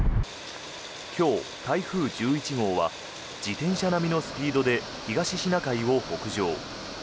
今日、台風１１号は自転車並みのスピードで東シナ海を北上。